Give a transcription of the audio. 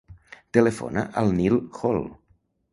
Telefona al Nil Hall.